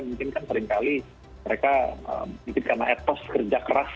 mungkin kan seringkali mereka mungkin karena etos kerja keras